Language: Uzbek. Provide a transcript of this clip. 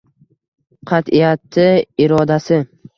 Qatʼiyati, irodasi.